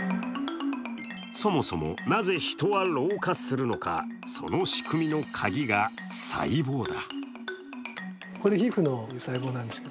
そもそもなぜ人は老化するのか、その仕組みのカギが細胞だ。